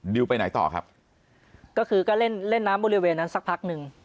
ไปไหนต่อครับก็คือก็เล่นเล่นน้ำบริเวณนั้นสักพักหนึ่ง